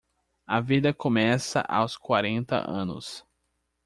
A vida começa aos quarenta anos.